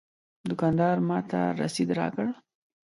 دوکاندار ماته رسید راکړ.